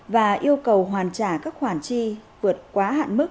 và yêu cầu hoàn trả các khoản chi vượt quá hạn mức